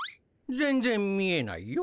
全然見えないよ。